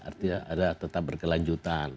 artinya tetap berkelanjutan